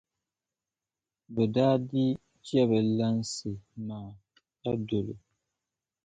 bɛ daa dii chɛ bɛ lansi maa ka dol’ o.